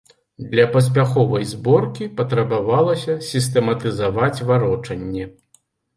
Для паспяховай зборкі патрабавалася сістэматызаваць варочанне.